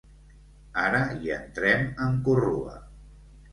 Ara hi entrem en corrua.